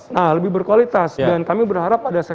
nah lebih berkualitas